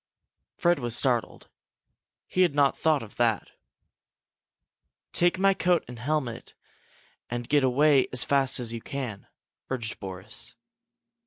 Fred was startled. He had not thought of that. "Take my coat and helmet and get away as fast as you can," urged Boris.